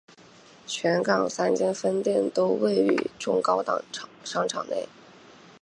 全港三间分店都位于中高档商场内。